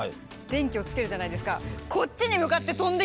電気をつけるじゃないですか。